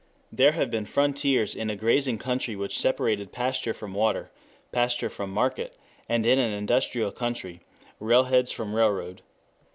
There have been frontiers in a grazing country which separated pasture from water, pasture from market, and in an industrial country, railheads from railroad.